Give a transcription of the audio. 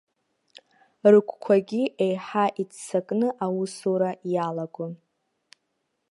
Рыгәқәагьы еиҳа иццакны аусура иалагон.